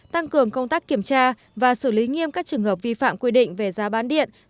tăng cường công tác kiểm tra và xử lý nghiêm các trường hợp vi phạm quy định về giá bán điện